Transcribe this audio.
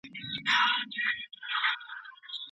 ایا ملي بڼوال وچ انار پلوري؟